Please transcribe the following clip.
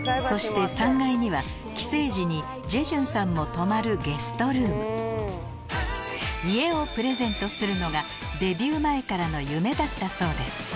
そして３階には帰省時にジェジュンさんも泊まる家をプレゼントするのがデビュー前からの夢だったそうです